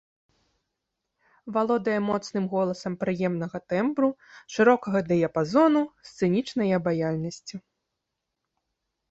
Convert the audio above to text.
Валодае моцным голасам прыемнага тэмбру, шырокага дыяпазону, сцэнічнай абаяльнасцю.